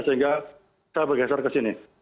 sehingga saya bergeser ke sini